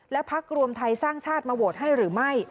และพักรวมไทยสร้างชาติมาโหวตให้หรือไม่